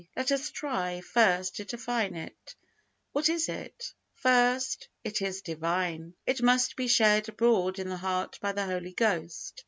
Let us try, first, to define it. What is it? First. It is Divine. It must be shed abroad in the heart by the Holy Ghost.